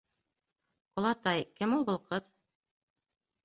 — Олатай, кем ул был ҡыҙ?